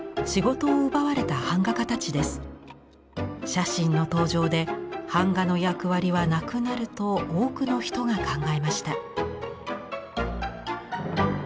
写真の登場で版画の役割はなくなると多くの人が考えました。